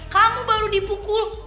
kamu baru dipukul